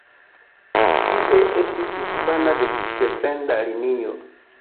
Tie estis hispana defenda linio.